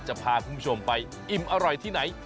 จะพาคุณผู้ชมไปอิ่มอร่อยที่ไหน